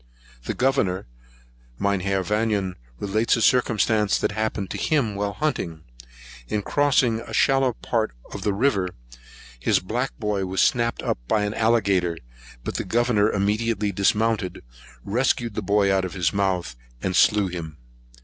The Governor, Mynheer Vanion, relates a circumstance that happened to him while hunting. In crossing a shallow part of the river, his black boy was snapped up by an alligator; but the Governor immediately dismounted, rescued the boy out of his mouth, and slew him.